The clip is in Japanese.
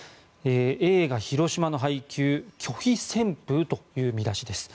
映画「ひろしま」の配給拒否旋風という見出しです。